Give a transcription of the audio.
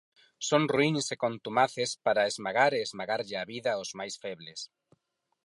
Son ruíns e contumaces para esmagar e esmagarlle a vida aos máis febles.